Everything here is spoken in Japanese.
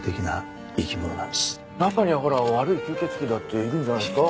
中には悪い吸血鬼だっているんじゃないですか？